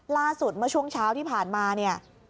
ล่าสุดเมื่อช่วงเช้าที่ผ่านมาเนี่ย